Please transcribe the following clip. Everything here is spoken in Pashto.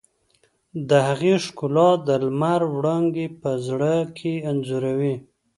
د هغې ښکلا د لمر وړانګې په زړه کې انځوروي.